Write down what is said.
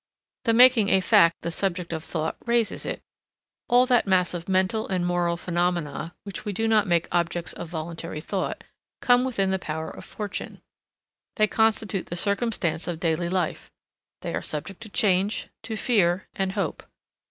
The making a fact the subject of thought raises it. All that mass of mental and moral phenomena which we do not make objects of voluntary thought, come within the power of fortune; they constitute the circumstance of daily life; they are subject to change, to fear, and hope.